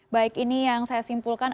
baik ini yang saya simpulkan